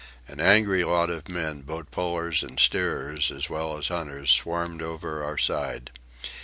An angry lot of men, boat pullers and steerers as well as hunters, swarmed over our side.